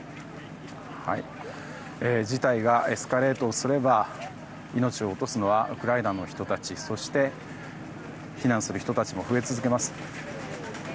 事態がエスカレートすれば命を落とすのはウクライナの人たちそして、避難する人たちも増え続けます。